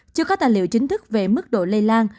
chưa có tài liệu chính thức về mức độ lây lan